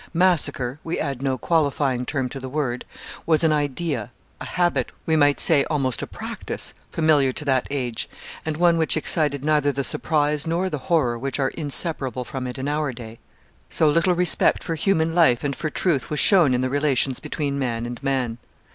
Massacre, we add no qualifying term to the word, was an idea, a habit, we might say almost a practice, familiar to that age, and one which excited neither the surprise nor the horror which are inseparable from it in our day. So little respect for human life and for truth was shown in the relations between man and man!